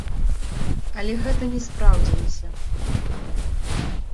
Але гэта не спраўдзілася.